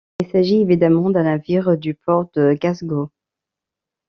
Il s’agit évidemment d’un navire du port de Glasgow.